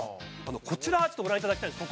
こちらご覧いただきたいんです